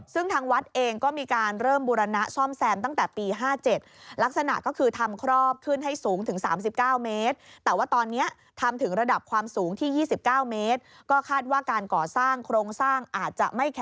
ซึ่งทางวัดเองก็มีการเริ่มบุรณะซ่อมแสมตั้งแต่ปี๕๗